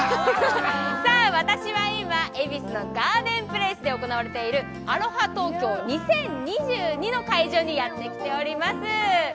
私は今、恵比寿ガーデンプレイスで行われている、ＡＬＯＨＡＴＯＫＹＯ２０２２の会場にやってきております。